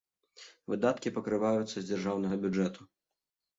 Выдаткі пакрываюцца з дзяржаўнага бюджэту.